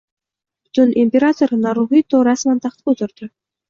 Bugun imperator Naruxito rasman taxtga o'tirdi